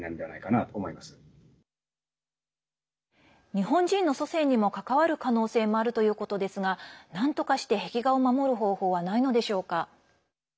日本人の祖先にも関わる可能性もあるということですがなんとかして壁画を守る方法はないのでしょうか。